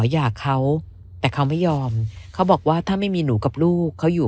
อยากเขาแต่เขาไม่ยอมเขาบอกว่าถ้าไม่มีหนูกับลูกเขาอยู่